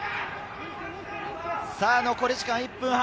残り時間１分半。